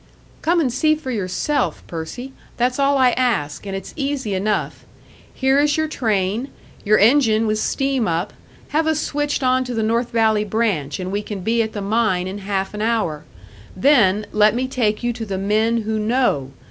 "Come and see for yourself, Percy! That's all I ask, and it's easy enough. Here is your train, your engine with steam up; have us switched onto the North Valley branch, and we can be at the mine in half an hour. Then let me take you to the men who know!